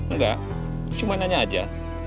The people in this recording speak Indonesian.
enggak cuma nanya aja